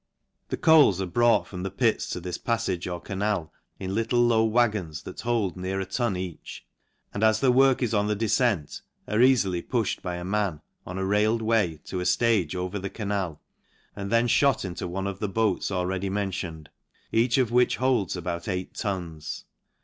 The coals are brought from the pits to this paf~ fage or canal in little low waggons that hold near a ton each, and as the work is on the defcenr, are eafily pufhed by a man, on a railed way, to a ftagc over the canal, and then fhot into one of the boats already mentioned, each of which holds about eight tons.